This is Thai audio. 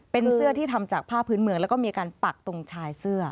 เป็นเสื้อที่ทำจากผ้าพื้นเมืองแล้วก็มีการปักตรงชายเสื้อ